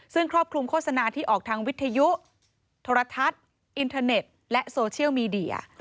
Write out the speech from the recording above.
ซึ่งครอบคลุมโฆษณาที่ออกทางวิทยุโทรทัศน์อินเทอร์เน็ตและโซเชียลมีเดีย